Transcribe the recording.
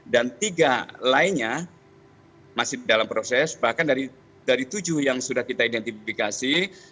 dan tiga lainnya masih dalam proses bahkan dari tujuh yang sudah kita identifikasi